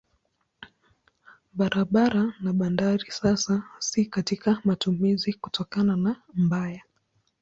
Barabara na bandari sasa si katika matumizi kutokana na mbaya.